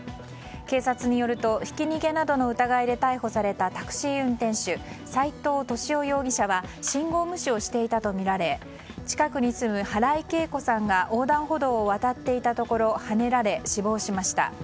警察によるとひき逃げなどの疑いで逮捕されたタクシー運転手斉藤敏夫容疑者は信号無視をしていたとみられ近くに住む原井恵子さんが横断歩道を渡っていたところはねられ、死亡しました。